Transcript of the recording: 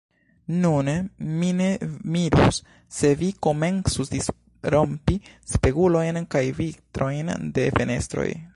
Nun mi ne mirus, se vi komencus disrompi spegulojn kaj vitrojn de fenestroj.